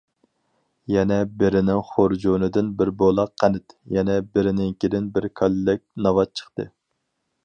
يەنە بىرىنىڭ خۇرجۇنىدىن بىر بولاق قەنت، يەنە بىرىنىڭكىدىن بىر كاللەك ناۋات چىقتى.